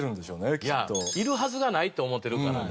いやいるはずがないって思ってるからね。